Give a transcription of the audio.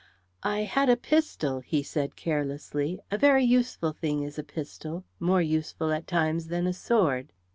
"I had a pistol," he said carelessly, "a very useful thing is a pistol, more useful at times than a sword."